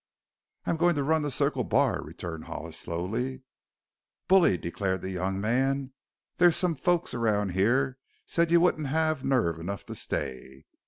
"I am going to run the Circle Bar," returned Hollis slowly. "Bully!" declared the young man. "There's some folks around here said you wouldn't have nerve enough to stay."